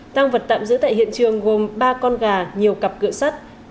tăng vật tạm giữ tại hiện trường gồm ba con gà nhiều cặp cửa sắt